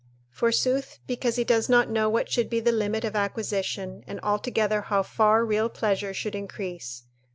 ["Forsooth because he does not know what should be the limit of acquisition, and altogether how far real pleasure should increase."